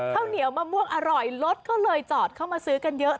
ข้าวเหนียวมะม่วงอร่อยรถก็เลยจอดเข้ามาซื้อกันเยอะ